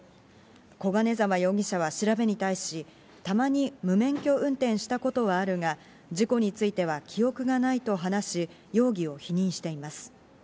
小金沢容疑者は調べに対し、たまに無免許運転したことはあるが、事故については記憶がないと話し、容疑を否認しています。